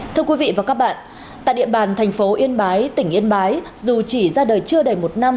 thưa quý vị và các bạn tại địa bàn thành phố yên bái tỉnh yên bái dù chỉ ra đời chưa đầy một năm